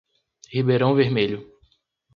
Ribeirão Vermelho